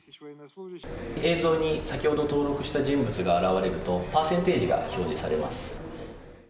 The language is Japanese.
映像に先ほど登録した人物が現れると、パーセンテージが表示されます。